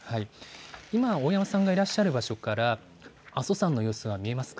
今、大山さんがいらっしゃる場所から阿蘇山の様子は見えますか。